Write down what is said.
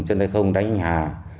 chân tay không đánh hà